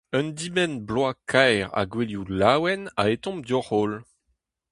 Un dibenn-bloaz kaer ha gouelioù laouen a hetomp deoc'h-holl.